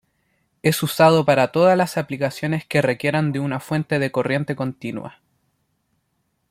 Es usado para todas las aplicaciones que requieran de una fuente de corriente continua.